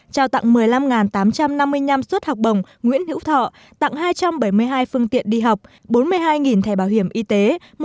trao tặng một mươi năm tám trăm năm mươi năm suất học bổng nguyễn hữu thọ tặng hai trăm bảy mươi hai phương tiện đi học bốn mươi hai thẻ bảo hiểm y tế